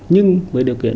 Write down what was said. nhưng với điều kiện